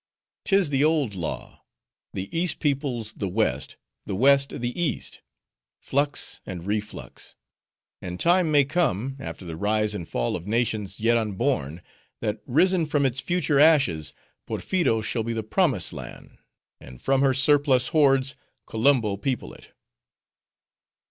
"'Tis the old law:—the East peoples the West, the West the East; flux and reflux. And time may come, after the rise and fall of nations yet unborn, that, risen from its future ashes, Porpheero shall be the promised land, and from her surplus hordes Kolumbo people it."